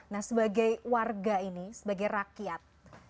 nah sebagai warga ini sebagai rakyat